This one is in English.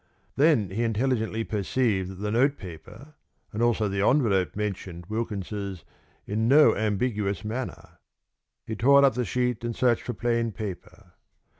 Then he intelligently perceived that the note paper and also the envelope mentioned Wilkins's in no ambiguous manner. He tore up the sheet and searched for plain paper.